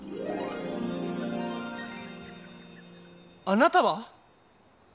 ・あなたは？